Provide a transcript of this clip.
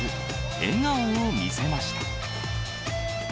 笑顔を見せました。